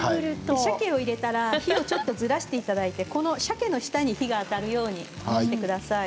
さけを入れたら火をずらしていただいてさけの下に火が当たるようにしてください。